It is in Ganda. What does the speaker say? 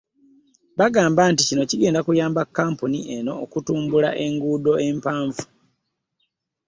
Bagamba Nti kino kigenda kuyamba kkampuni eno okutambula enguudo empavu.